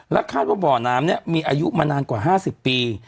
คาดว่าบ่อน้ำเนี่ยมีอายุมานานกว่า๕๐ปี